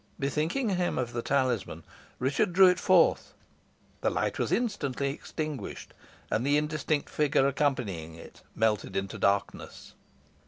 Bethinking him of the talisman, Richard drew it forth. The light was instantly extinguished, and the indistinct figure accompanying it melted into darkness.